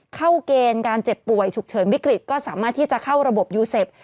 เกณฑ์การเจ็บป่วยฉุกเฉินวิกฤตก็สามารถที่จะเข้าระบบยูเซฟ